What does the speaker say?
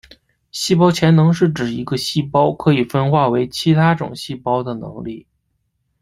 细胞潜能是指一个细胞可以分化为其他种细胞的能力。